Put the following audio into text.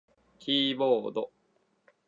キーボード